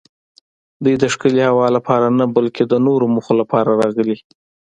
دوی د ښکلې هوا لپاره نه بلکې د نورو موخو لپاره راغلي.